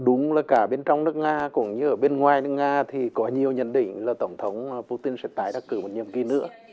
đúng là cả bên trong nước nga cũng như ở bên ngoài nước nga thì có nhiều nhận định là tổng thống putin sẽ tái đắc cử một nhiệm kỳ nữa